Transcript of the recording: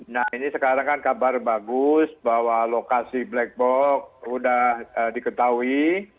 nah ini sekarang kan kabar bagus bahwa lokasi black box sudah diketahui